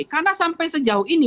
karena sampai sejauh ini